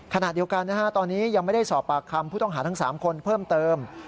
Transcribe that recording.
ขณะเดียวกันตอนนี้ยังไม่ได้สอบปากคำผู้ต้องหาทั้ง๓คนเพิ่มเติม